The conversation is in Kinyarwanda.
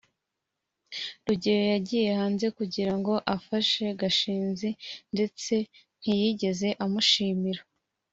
rugeyo yagiye hanze kugira ngo afashe gashinzi ndetse ntiyigeze amushimira